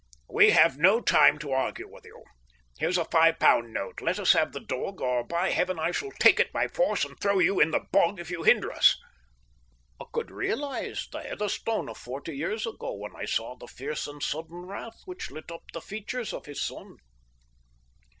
"We have no time to argue with you. Here's a five pound note. Let us have the dog, or, by Heaven, I shall take it by force and throw you in the bog if you hinder us." I could realise the Heatherstone of forty years ago when I saw the fierce and sudden wrath which lit up the features of his son.